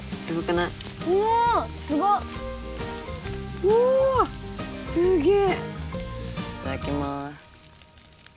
いただきます。